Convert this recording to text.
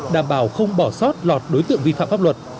đảm bảo không bỏ sót lọt đối tượng vi phạm pháp luật